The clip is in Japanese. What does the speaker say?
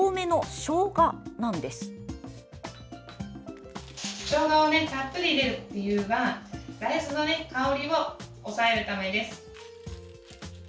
しょうがをたっぷり入れる理由は大豆の香りを抑えるためです。